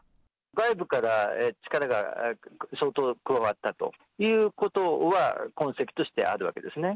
外部から力が相当加わったということは、痕跡としてあるわけですね。